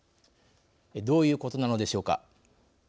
どういうことなのでしょうか。